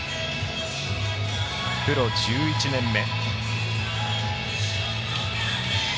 プロ１１年目。